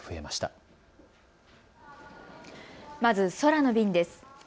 まず、空の便です。